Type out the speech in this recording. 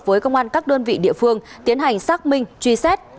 với công an các đơn vị địa phương tiến hành xác minh truy xét